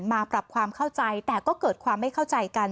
มาปรับความเข้าใจแต่ก็เกิดความไม่เข้าใจกัน